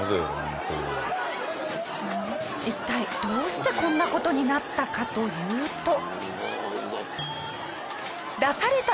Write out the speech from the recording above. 一体どうしてこんな事になったかというと。